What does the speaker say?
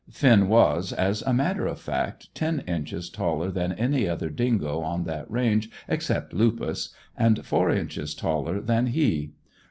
Finn was, as a matter of fact, ten inches taller than any other dingo on that range except Lupus, and four inches taller than he.